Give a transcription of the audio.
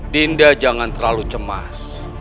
dinda jangan terlalu cemas